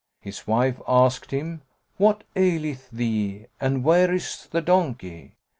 His wife asked him, "What aileth thee and where is the donkey?"